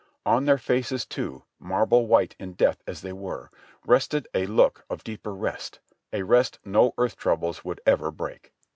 On their faces, too, marble wdiite in death as they were, rested a look of deeper rest, a rest no earth troubles would ever break.